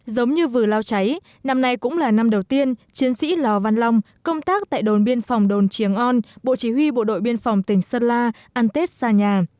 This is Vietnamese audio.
giống như vừa lao cháy năm nay cũng là năm đầu tiên chiến sĩ lò văn long công tác tại đồn biên phòng đồn triềng on bộ chỉ huy bộ đội biên phòng tỉnh sơn la ăn tết xa nhà